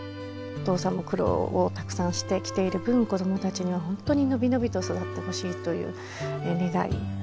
お父さんも苦労をたくさんしてきている分子供たちには本当に伸び伸びと育ってほしいという願い。